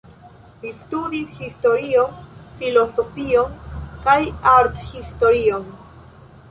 Li studis historion, filozofion kaj arthistorion.